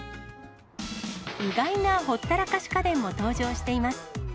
意外なほったらかし家電も登場しています。